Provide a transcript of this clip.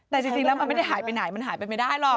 แต่จริงแล้วมันไม่ได้หายไปไหนมันหายไปไม่ได้หรอก